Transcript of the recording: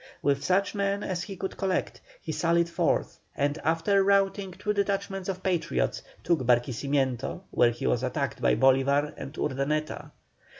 With such men as he could collect, he sallied forth, and after routing two detachments of Patriots took Barquisimeto, where he was attacked by Bolívar and Urdaneta.